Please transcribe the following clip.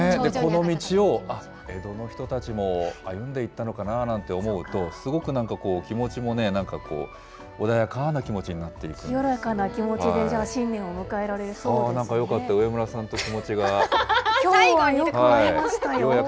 この道を、あっ、江戸の人たちも歩んでいったのかなって思うと、すごくなんかこう、気持ちも、なんか穏やかな気持ちになってい清らかな気持ちで、新年を迎なんかよかった、上村さんと最後に。